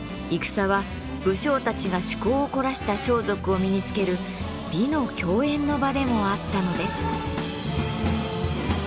戦は武将たちが趣向を凝らした装束を身につける美の競演の場でもあったのです。